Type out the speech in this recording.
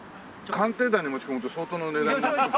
『鑑定団』に持ち込むと相当の値段に。